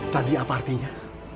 tadi apa artinya